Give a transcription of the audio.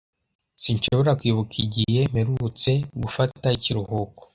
] sinshobora kwibuka igihe mperutse gufata ikiruhuko.